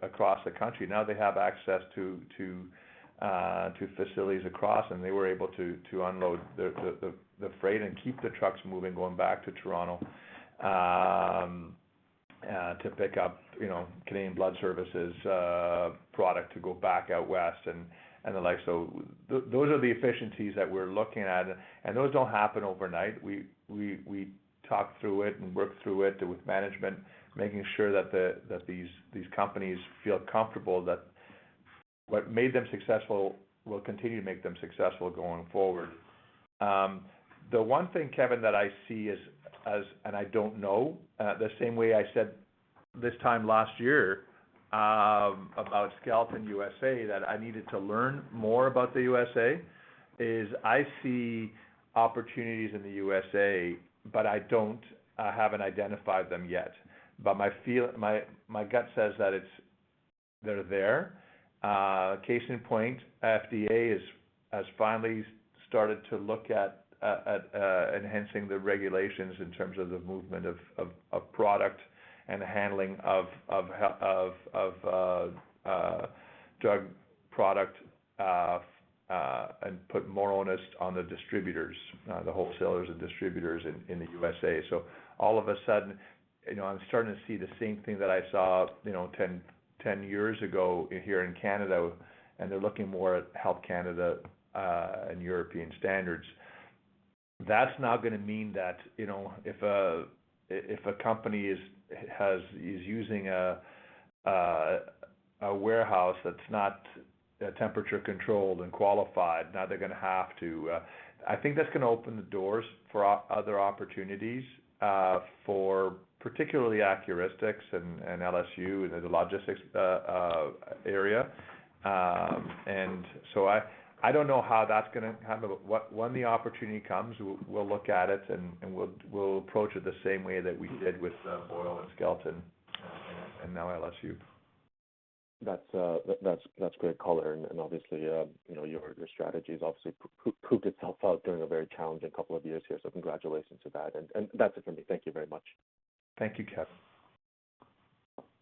Speaker 2: across the country. Now they have access to facilities across, and they were able to unload the freight and keep the trucks moving, going back to Toronto, to pick up, you know, Canadian Blood Services product to go back out west and the like. Those are the efficiencies that we're looking at, and those don't happen overnight. We talk through it and work through it with management, making sure that these companies feel comfortable that what made them successful will continue to make them successful going forward. The one thing, Kevin, that I see as and I don't know the same way I said this time last year about Skelton USA, that I needed to learn more about the USA, is I see opportunities in the USA, but I haven't identified them yet. My feel, my gut says that they're there. Case in point, FDA has finally started to look at enhancing the regulations in terms of the movement of product and the handling of drug product and put more onus on the distributors, the wholesalers and distributors in the USA. All of a sudden, you know, I'm starting to see the same thing that I saw, you know, 10 years ago here in Canada, and they're looking more at Health Canada and European standards. That's now gonna mean that, you know, if a company is using a warehouse that's not temperature controlled and qualified, now they're gonna have to. I think that's gonna open the doors for other opportunities for particularly Accuristix and LSU in the logistics area. I don't know how that's gonna happen. When the opportunity comes, we'll look at it and we'll approach it the same way that we did with Boyle and Skelton and now LSU.
Speaker 7: That's great color. Obviously, you know, your strategy has obviously proved itself out during a very challenging couple of years here, so congratulations to that. That's it for me. Thank you very much.
Speaker 2: Thank you, Kevin.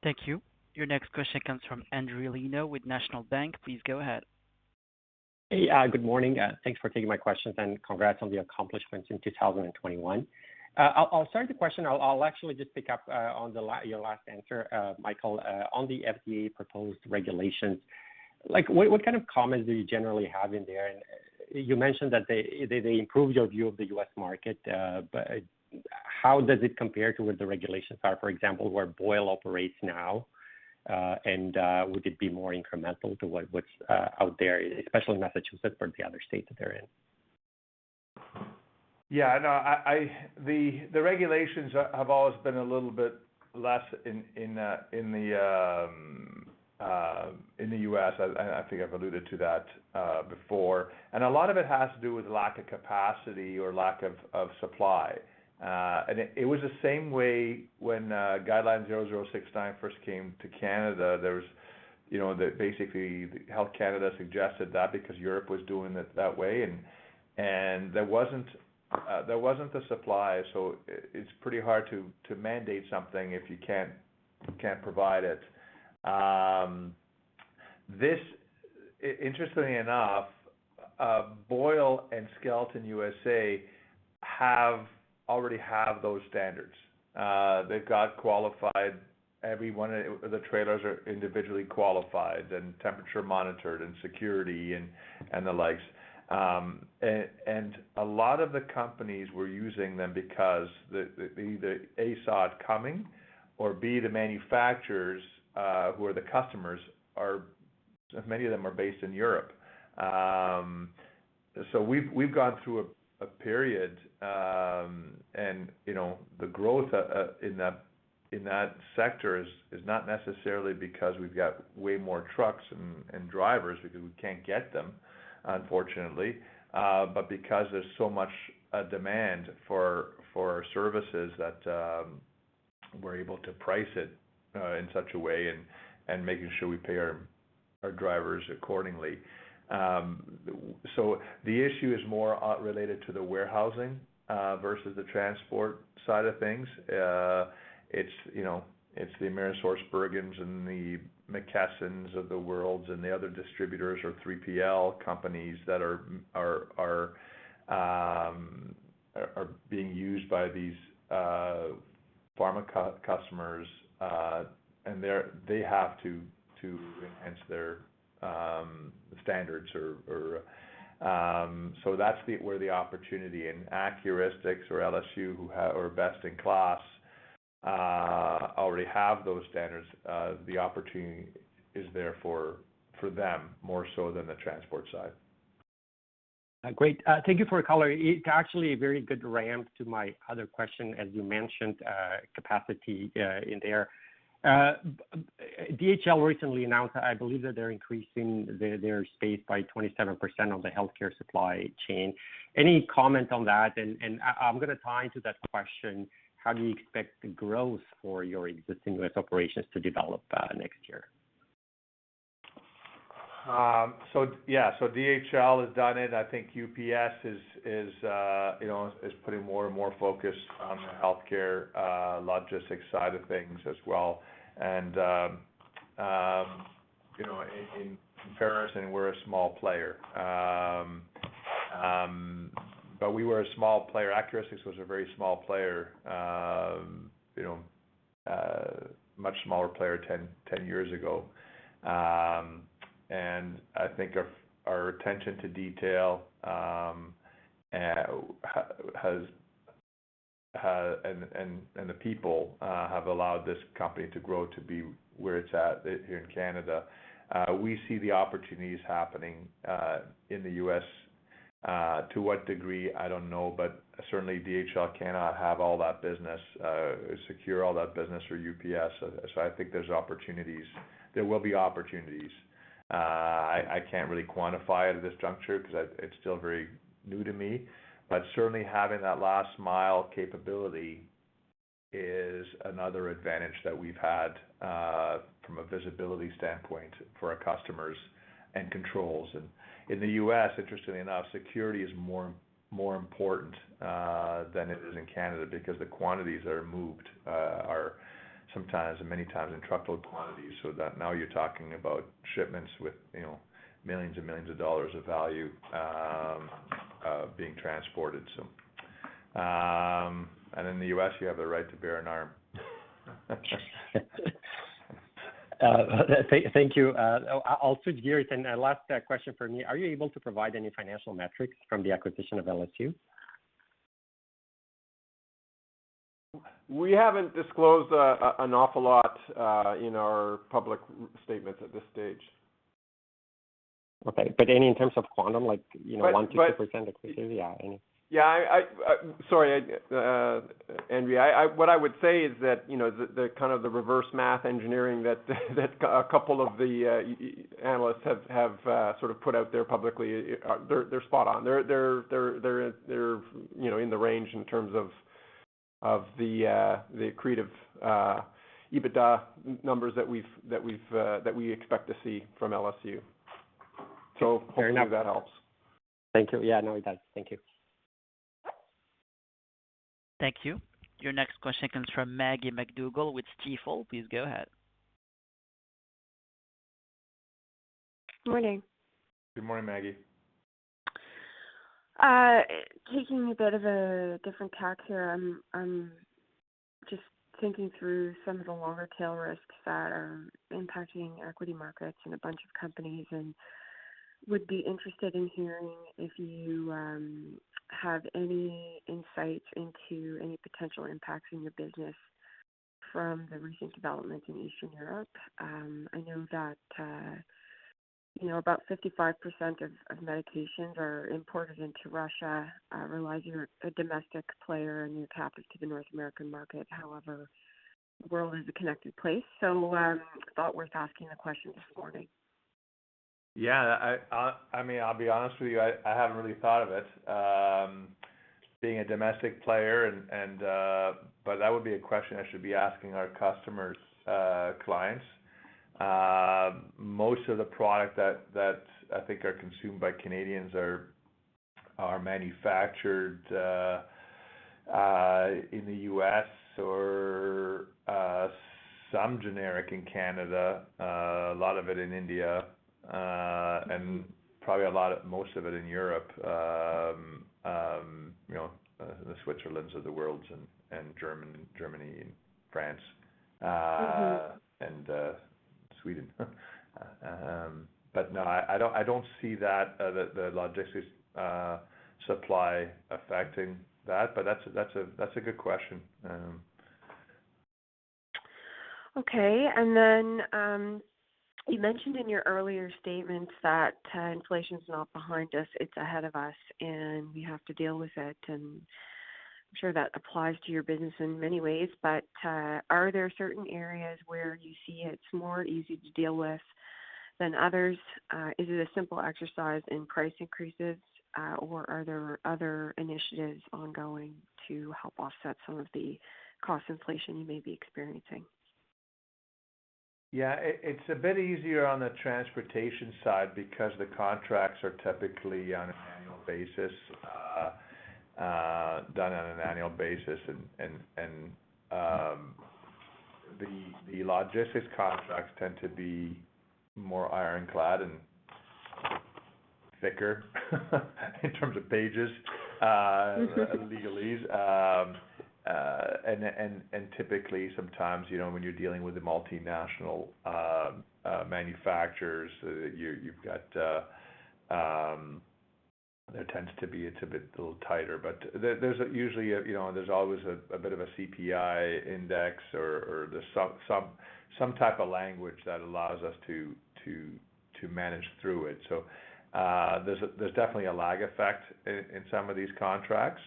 Speaker 1: Thank you. Your next question comes from Endri Leno with National Bank. Please go ahead.
Speaker 8: Hey, good morning, thanks for taking my questions, and congrats on the accomplishments in 2021. I'll actually just pick up on your last answer, Michael, on the FDA proposed regulations. Like what kind of comments do you generally have in there? And you mentioned that they improve your view of the U.S. market, but how does it compare to what the regulations are, for example, where Boyle operates now? And would it be more incremental to what's out there, especially in Massachusetts or the other states that they're in?
Speaker 2: The regulations have always been a little bit less in the U.S. I think I've alluded to that before. A lot of it has to do with lack of capacity or lack of supply. It was the same way when GUI-0069 first came to Canada. Basically, Health Canada suggested that because Europe was doing it that way, and there wasn't the supply, so it's pretty hard to mandate something if you can't provide it. Interestingly enough, Boyle and Skelton USA already have those standards. They've got qualified. Every one of the trailers are individually qualified and temperature monitored and security and the likes. A lot of the companies were using them because they either A, saw it coming, or B, the manufacturers who are the customers, many of them are based in Europe. We've gone through a period. You know, the growth in that sector is not necessarily because we've got way more trucks and drivers because we can't get them, unfortunately, but because there's so much demand for our services that we're able to price it in such a way and making sure we pay our drivers accordingly. The issue is more related to the warehousing versus the transport side of things. You know, it's the AmerisourceBergen and the McKesson of the world and the other distributors or 3PL companies that are being used by these pharma customers, and they have to enhance their standards. That's where the opportunity in Accuristix or LSU or Best in Class already have those standards. The opportunity is there for them more so than the transport side.
Speaker 8: Great. Thank you for the color. It's actually a very good ramp to my other question, as you mentioned, capacity, in there. DHL recently announced, I believe that they're increasing their space by 27% on the healthcare supply chain. Any comment on that? I'm gonna tie into that question, how do you expect the growth for your existing US operations to develop, next year?
Speaker 2: Yeah. DHL has done it. I think UPS is you know putting more and more focus on the Healthcare Logistics side of things as well. You know, in comparison, we're a small player. We were a small player. Accuristix was a very small player you know much smaller player 10 years ago. I think our attention to detail and the people have allowed this company to grow to be where it's at here in Canada. We see the opportunities happening in the U.S. To what degree? I don't know, but certainly DHL cannot have all that business secure all that business or UPS. I think there's opportunities. There will be opportunities. I can't really quantify it at this juncture because it's still very new to me. Certainly having that last mile capability is another advantage that we've had from a visibility standpoint for our customers and controls. In the U.S., interestingly enough, security is more important than it is in Canada because the quantities that are moved are sometimes and many times in truckload quantities, so that now you're talking about shipments with, you know, millions and millions of dollars of value being transported. In the U.S., you have the right to bear arms.
Speaker 8: Thank you. I'll switch gears. Last question from me. Are you able to provide any financial metrics from the acquisition of LSU?
Speaker 2: We haven't disclosed an awful lot in our public statements at this stage.
Speaker 8: Okay. Any in terms of quantum, like, you know, 1%-2% increase? Yeah, any-
Speaker 3: Yeah. Sorry, Endri. What I would say is that, you know, the kind of reverse engineering that a couple of the analysts have sort of put out there publicly, they're you know, in the range in terms of the accretive EBITDA numbers that we expect to see from LSU. Hopefully that helps.
Speaker 8: Thank you. Yeah, no, it does. Thank you.
Speaker 1: Thank you. Your next question comes from Maggie MacDougall with Stifel. Please go ahead.
Speaker 9: Morning.
Speaker 2: Good morning, Maggie.
Speaker 9: Taking a bit of a different tack here. I'm just thinking through some of the longer tail risks that are impacting equity markets and a bunch of companies, and would be interested in hearing if you have any insights into any potential impacts in your business from the recent developments in Eastern Europe. I know that you know, about 55% of medications are imported into Russia. I realize you're a domestic player, and you're tapped into the North American market. However, the world is a connected place, so thought worth asking the question this morning.
Speaker 2: Yeah, I mean, I'll be honest with you, I haven't really thought of it being a domestic player, but that would be a question I should be asking our customers, clients. Most of the product that I think are consumed by Canadians are manufactured in the U.S. or some generic in Canada, a lot of it in India, and probably most of it in Europe, you know, the Switzerlands of the world and Germany and France.
Speaker 9: Mm-hmm
Speaker 2: Sweden. No, I don't see that the logistics supply affecting that, but that's a good question.
Speaker 9: Okay. You mentioned in your earlier statements that inflation's not behind us, it's ahead of us, and we have to deal with it. I'm sure that applies to your business in many ways. Are there certain areas where you see it's more easy to deal with than others? Is it a simple exercise in price increases, or are there other initiatives ongoing to help offset some of the cost inflation you may be experiencing?
Speaker 2: Yeah. It's a bit easier on the transportation side because the contracts are typically on an annual basis, done on an annual basis. The logistics contracts tend to be more ironclad and thicker in terms of pages.
Speaker 9: Mm-hmm
Speaker 2: Legalese. Typically sometimes, you know, when you're dealing with the multinational manufacturers, you've got there tends to be. It's a bit a little tighter. There's usually a, you know, there's always a bit of a CPI index or there's some type of language that allows us to manage through it. There's definitely a lag effect in some of these contracts,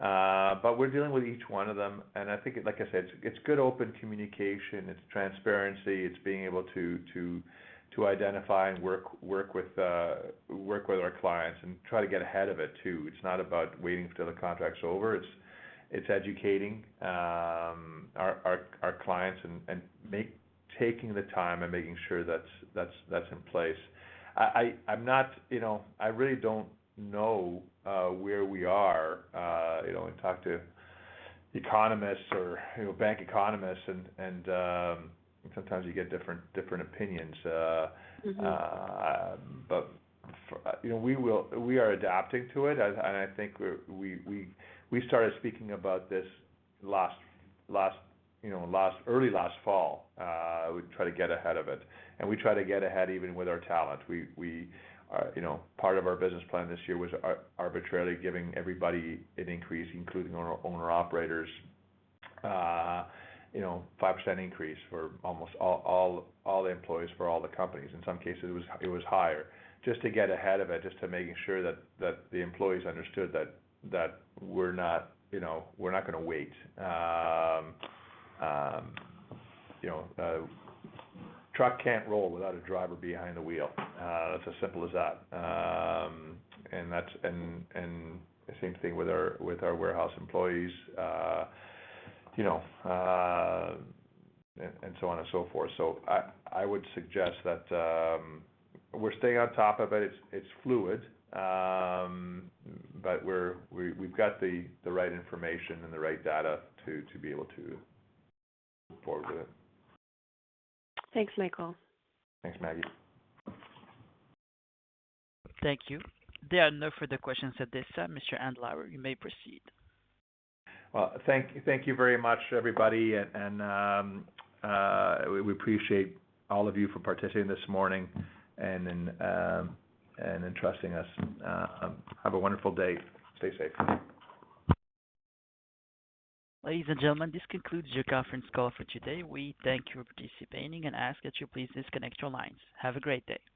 Speaker 2: but we're dealing with each one of them. I think, like I said, it's good open communication, it's transparency, it's being able to identify and work with our clients and try to get ahead of it too. It's not about waiting until the contract's over. It's educating our clients and make. Taking the time and making sure that's in place. I'm not, you know, I really don't know where we are. You know, I talk to economists or, you know, bank economists and sometimes you get different opinions.
Speaker 9: Mm-hmm
Speaker 2: You know, we are adapting to it. I think we started speaking about this early last fall. We try to get ahead of it. We try to get ahead even with our talent. You know, part of our business plan this year was arbitrarily giving everybody an increase, including our owner-operators, you know, 5% increase for almost all the employees for all the companies. In some cases, it was higher. Just to get ahead of it, just to make sure that the employees understood that we're not, you know, we're not gonna wait. You know, a truck can't roll without a driver behind the wheel. It's as simple as that. The same thing with our warehouse employees, you know, and so on and so forth. I would suggest that we're staying on top of it. It's fluid. But we've got the right information and the right data to be able to move forward with it.
Speaker 9: Thanks, Michael.
Speaker 2: Thanks, Maggie.
Speaker 1: Thank you. There are no further questions at this time. Mr. Andlauer, you may proceed.
Speaker 2: Well, thank you very much, everybody. We appreciate all of you for participating this morning and entrusting us. Have a wonderful day. Stay safe.
Speaker 1: Ladies and gentlemen, this concludes your conference call for today. We thank you for participating and ask that you please disconnect your lines. Have a great day.